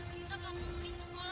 di thailand katanya